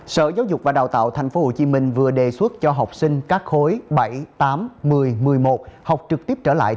sở giáo dục và đào tạo tp hcm vừa đề xuất cho học sinh các khối bảy tám một mươi một mươi một học trực tiếp trở lại